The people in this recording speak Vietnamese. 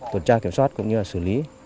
tuần tra kiểm soát cũng như là xử lý